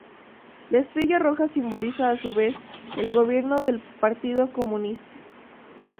La estrella roja simbolizaba a su vez el gobierno del Partido Comunista.